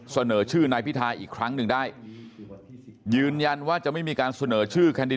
เสนอชื่อนายพิทาอีกครั้งหนึ่งได้ยืนยันว่าจะไม่มีการเสนอชื่อแคนดิ